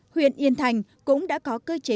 huyện yên thành cũng đã có cơ chế